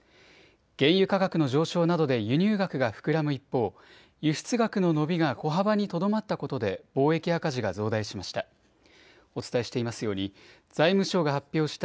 原油価格の上昇などで輸入額が膨らむ一方、輸出額の伸びが小幅にとどまったことで貿易赤字が増大しました。